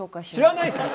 知らないですよ！